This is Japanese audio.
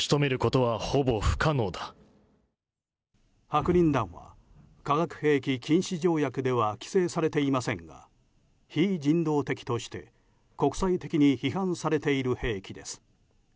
白リン弾は化学兵器禁止条約では規制されていませんが非人道的として国際的に批判されている兵器です。